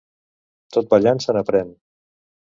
Tot ballant se n'aprèn.